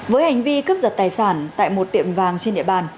với hành vi cướp giật tài sản tại một tiệm vàng trên địa bàn